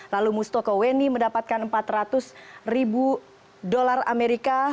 lalu mustoko weni mendapatkan empat ratus ribu dolar amerika